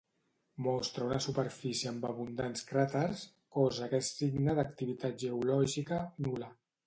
Mostra una superfície amb abundants cràters, cosa que és signe d'activitat geològica nul·la.